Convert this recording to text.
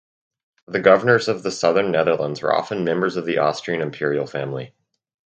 The governors of the Southern Netherlands were often members of the Austrian Imperial family.